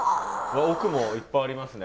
奥もいっぱいありますね。